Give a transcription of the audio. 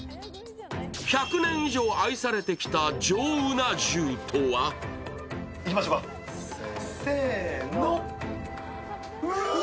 １００年以上愛されてきた上うな重とはいきましょうか、せーの。